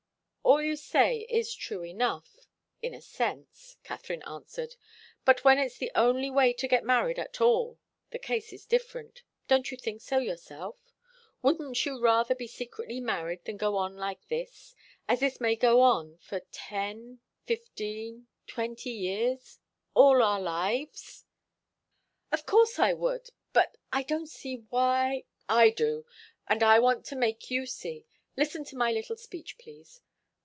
"All you say is true enough in a sense," Katharine answered. "But when it's the only way to get married at all, the case is different. Don't you think so yourself? Wouldn't you rather be secretly married than go on like this as this may go on, for ten, fifteen, twenty years all our lives?" "Of course I would. But I don't see why " "I do, and I want to make you see. Listen to my little speech, please.